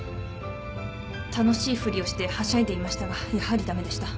楽しいふりをしてはしゃいでいましたがやはり駄目でした。